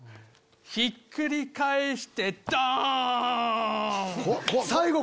ひっくり返してドン！